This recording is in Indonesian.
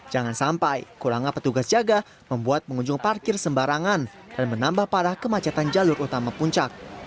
jangan sampai kurangnya petugas jaga membuat pengunjung parkir sembarangan dan menambah parah kemacetan jalur utama puncak